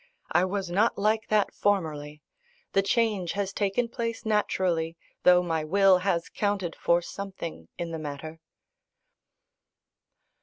I was not like that formerly. The change has taken place naturally, though my will has counted for something in the matter.